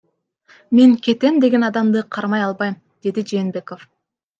Мен кетем деген адамды кармай албайм, — деди Жээнбеков.